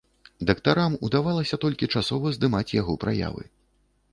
Дактарам удавалася толькі часова здымаць яго праявы.